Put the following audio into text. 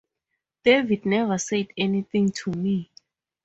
David never said anything to me.